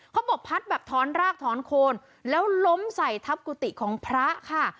เขาบอกพัดแบบถอนรากถอนโคนแล้วล้มใส่ทับกุฏิของพระค่ะ